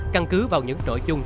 căn cứ vào những nội chung